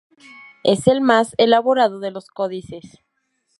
Es el más elaborado de los códices.